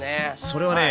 それはね